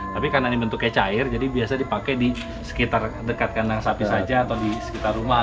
tapi karena ini bentuknya cair jadi biasa dipakai di sekitar dekat kandang sapi saja atau di sekitar rumah